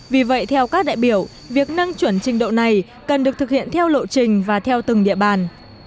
vì vậy theo các đại biểu việc nâng chuẩn trình độ này cần được thực hiện theo lộ trình và theo từng địa bàn